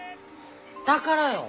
だからよ。